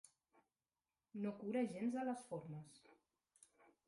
No cura gens de les formes.